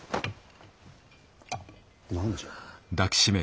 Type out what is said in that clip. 何じゃ？